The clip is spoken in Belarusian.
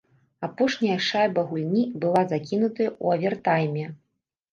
Апошняя шайба гульні была закінутая ў авертайме.